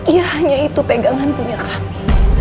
iya hanya itu pegangan punya kami